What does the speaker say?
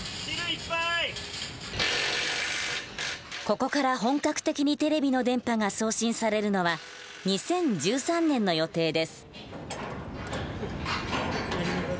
ここから本格的にテレビの電波が送信されるのは２０１３年の予定です。